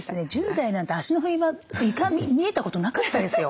１０代なんて足の踏み場床見えたことなかったですよ。